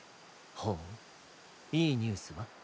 ほういいニュースは？